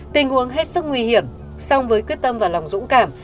tình huống hết sức nguy hiểm song với quyết tâm và lòng dũng cảm